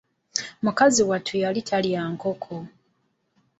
Mukazi wattu yali talya nkoko.